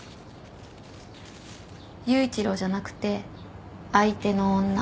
裕一郎じゃなくて相手の女。